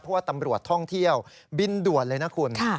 เพราะว่าตำรวจท่องเที่ยวบินด่วนเลยนะคุณ